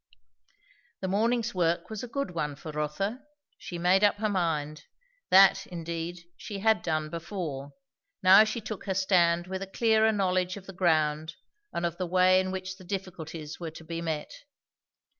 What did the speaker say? The morning's work was a good one for Rotha. She made up her mind. That, indeed, she had done before; now she took her stand with a clearer knowledge of the ground and of the way in which the difficulties were to be met.